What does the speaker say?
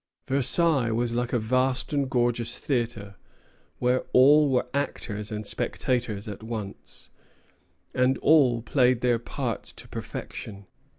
Versailles was like a vast and gorgeous theatre, where all were actors and spectators at once; and all played their parts to perfection.